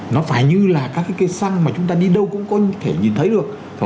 nó phải như là các cái cây xăng mà chúng ta đi đâu cũng có thể nhìn thấy được